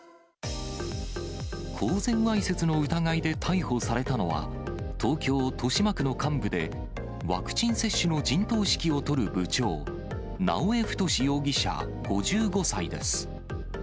公然わいせつの疑いで逮捕されたのは、東京・豊島区の幹部で、ワクチン接種の陣頭指揮を執る部長、直江太容疑者５５歳です。